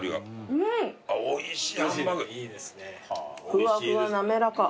ふわふわ滑らか。